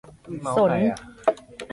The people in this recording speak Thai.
สน